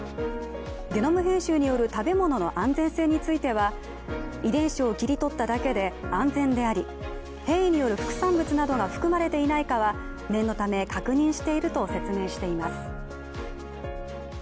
ゲノム編集による食べ物の安全性については遺伝子を切り取っただけで、安全であり変異による副産物などが含まれていないかは念のため確認していると説明しています。